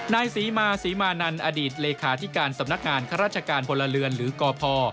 นายศรีมาศรีมานันอดีตเลขาธิการสำนักงานข้าราชการพลเรือนหรือกพ